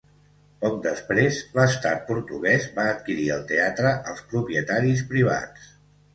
Poc després, l'Estat Portuguès va adquirir el teatre als propietaris privats.